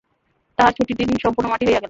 তাহার ছুটির দিন সম্পূর্ণ মাটি হইয়া গেল।